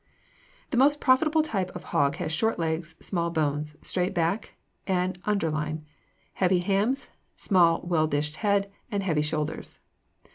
The most profitable type of hog has short legs, small bones, straight back and under line, heavy hams, small well dished head, and heavy shoulders.